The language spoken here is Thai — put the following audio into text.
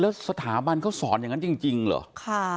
แล้วสถาบันเขาสอนอย่างนั้นจริงเหรอ